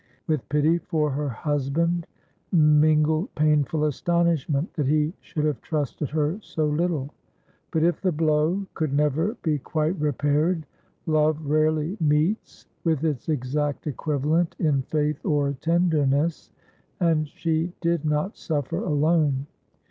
With pity for her husband mingled painful astonishment that he should have trusted her so little; but if the blow could never be quite repaired, love rarely meets with its exact equivalent in faith or tenderness, and she did not suffer alone.